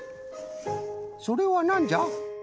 それはなんじゃ？